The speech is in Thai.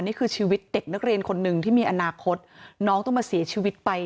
นี่คือชีวิตเด็กนักเรียนคนหนึ่งที่มีอนาคตน้องต้องมาเสียชีวิตไป